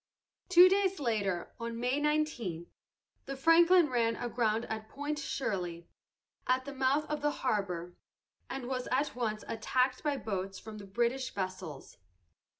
Two days later, on May 19, the Franklin ran aground at Point Shirley, at the mouth of the harbor, and was at once attacked by boats from the British vessels.